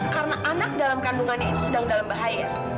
karena anak dalam kandungannya itu sedang dalam bahaya